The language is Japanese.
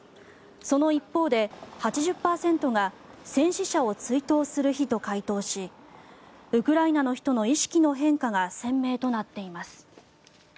その一方で８０％が戦死者を追悼する日と回答しウクライナの人の意識の変化が鮮明となっています。